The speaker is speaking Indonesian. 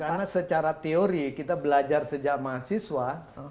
karena secara teori kita belajar sejak mahasiswa